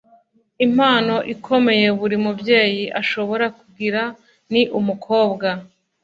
impano ikomeye buri mubyeyi ashobora kugira ni umukobwa